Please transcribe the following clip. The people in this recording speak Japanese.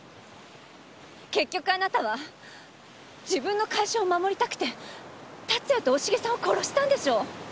結局あなたは自分の会社を守りたくて龍哉と大重さんを殺したんでしょ？